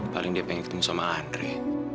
paling dia pengen ketemu sama andre